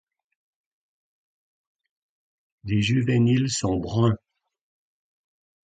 Les juvéniles sont bruns.